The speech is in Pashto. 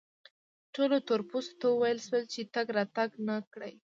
ټولو تور پوستو ته وویل شول چې تګ راتګ و نه کړي.